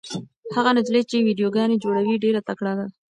هغه نجلۍ چې ویډیوګانې جوړوي ډېره تکړه ده.